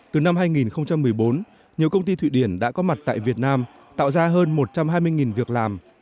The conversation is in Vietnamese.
từ năm hai nghìn một mươi bốn nhiều công ty thụy điển đã có mặt tại việt nam tạo ra hơn một trăm hai mươi việc làm